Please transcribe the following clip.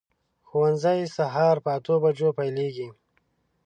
ښوونځی سهار په اتو بجو پیلېږي.